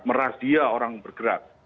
merah dia orang bergerak